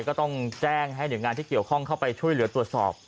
ก็ต้องแจ้งให้หน่วยงานที่เกี่ยวข้องเข้าไปช่วยเหลือตรวจสอบ